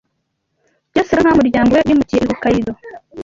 Byasaga nkaho umuryango we wimukiye i Hokkaido.